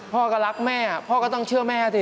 พ่อก็รักแม่พ่อก็ต้องเชื่อแม่สิ